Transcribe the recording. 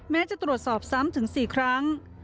แม้จะตรวจสอบซ้ำถึง๔ครั้ง